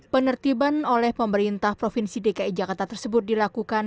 penertiban oleh pemerintah provinsi dki jakarta tersebut dilakukan